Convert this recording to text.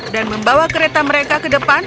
dan membawa kereta mereka ke depan